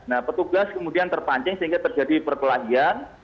nah petugas kemudian terpancing sehingga terjadi perkelahian